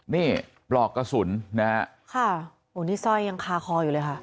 นี่ปลอกกระสุนนะฮะค่ะโอ้นี่สร้อยยังคาคออยู่เลยค่ะ